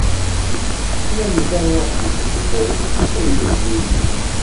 Tettnadi terwiḥt-iw fell-ak, ay Illu-iw!